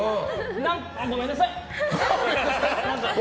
ごめんなさい。